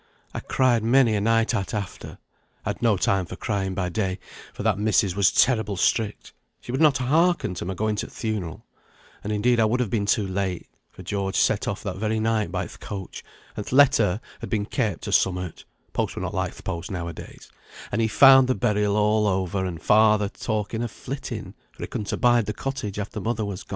I cried many a night at after; I'd no time for crying by day, for that missis was terrible strict; she would not hearken to my going to th' funeral; and indeed I would have been too late, for George set off that very night by th' coach, and th' letter had been kept or summut (posts were not like th' posts now a days), and he found the burial all over, and father talking o' flitting; for he couldn't abide the cottage after mother was gone."